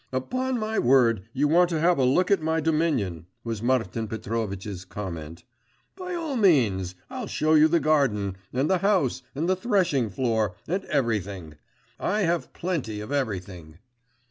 'Upon my word, you want to have a look at my dominion,' was Martin Petrovitch's comment. 'By all means! I'll show you the garden, and the house, and the threshing floor, and everything. I have plenty of everything.